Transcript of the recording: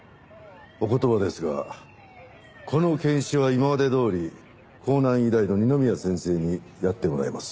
お言葉ですがこの検視は今までどおり港南医大の二宮先生にやってもらいます。